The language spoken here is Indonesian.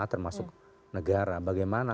termasuk negara bagaimana